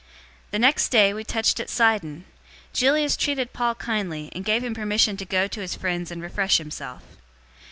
027:003 The next day, we touched at Sidon. Julius treated Paul kindly, and gave him permission to go to his friends and refresh himself.